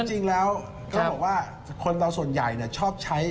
จริงแล้วเขาบอกว่าคนเราส่วนใหญ่ชอบใช้